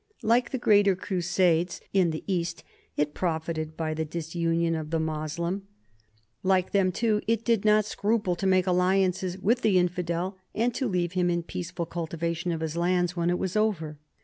Like the greater crusades in the East, it profited by the disunion of the Moslem; like them, too, it did not scruple to make alliances with the infidel and to leave him in peaceful cultivation of his lands when all was over.